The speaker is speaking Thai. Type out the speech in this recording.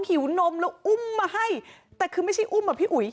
หิวนมแล้วอุ้มมาให้แต่คือไม่ใช่อุ้มอ่ะพี่อุ๋ย